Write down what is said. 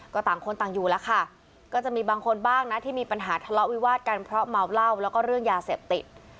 ก็ต่างคนต่างอยู่แล้วค่ะก็จะมีบางคนบ้างนะที่มีปัญหาทะเลาะวิวาดกันเพราะเมาเหล้าแล้วก็เรื่องยาเสพติด